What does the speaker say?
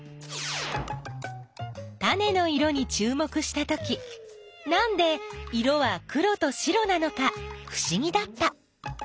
タネの色にちゅう目したときなんで色は黒と白なのかふしぎだった。